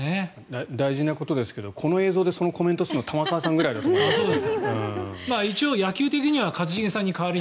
大事なことですけどこの映像でそのコメントするのは玉川さんくらいです。